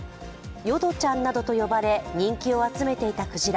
ヨドちゃんなどと呼ばれ、人気を集めていたクジラ。